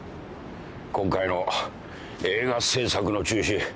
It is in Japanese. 今回の映画製作の中止